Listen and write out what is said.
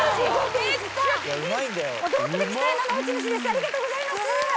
ありがとうございます。